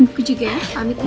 aku juga ya amin dulu